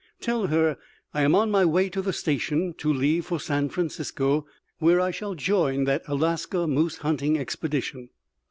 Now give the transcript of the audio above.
Tell her I am on my way to the station, to leave for San Francisco, where I shall join that Alaska moose hunting expedition.